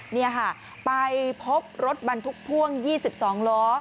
นี่ค่ะไปพบรถบรรทุกพ่วง๒๒ล้อ